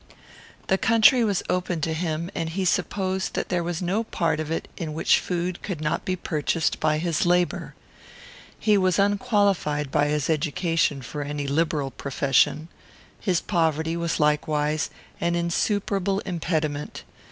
The country was open to him, and he supposed that there was no part of it in which food could not be purchased by his labour. He was unqualified, by his education, for any liberal profession. His poverty was likewise an insuperable impediment.